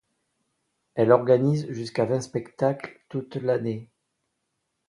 Elle organise jusqu'à vingt spectacles toute l'année.